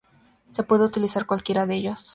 Se puede utilizar cualquiera de ellos.